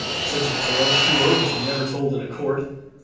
Such a tale, sure, was never told in a court.